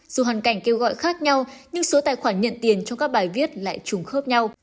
dù hoàn cảnh kêu gọi khác nhau nhưng số tài khoản nhận tiền trong các bài viết lại trùng khớp nhau